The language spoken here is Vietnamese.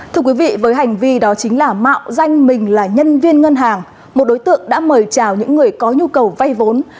thưa quý vị với hành vi đó chính là mạo danh mình là nhân viên ngân hàng một đối tượng đã mời chào những người có nhu cầu vay vốn